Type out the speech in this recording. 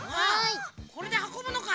これではこぶのか。